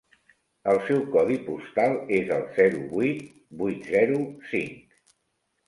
El seu codi postal és el zero vuit vuit zero cinc.